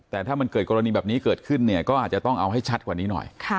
แต่ถ้ามันเกิดกรณีแบบนี้เกิดขึ้นเนี่ยก็อาจจะต้องเอาให้ชัดกว่านี้หน่อย